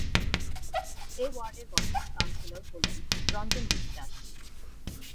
এ ওয়ার্ডের বর্তমান কাউন্সিলর হলেন রঞ্জন বিশ্বাস।